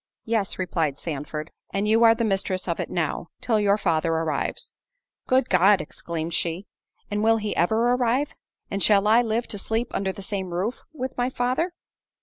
"Yes," replied Sandford, "and you are the mistress of it now, till your father arrives." "Good God!" exclaimed she, "and will he ever arrive? and shall I live to sleep under the same roof with my father?"